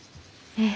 ええ。